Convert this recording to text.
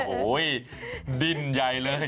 โอ้โหดิ้นใหญ่เลย